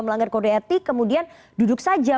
melanggar kode etik kemudian duduk saja